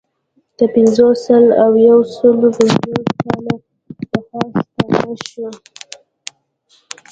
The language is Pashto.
که پنځوس، سل او یو سلو پنځوس کاله پخوا ستانه شو.